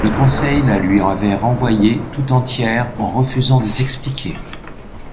Le conseil la lui avait renvoyée tout entière en refusant de s'expliquer.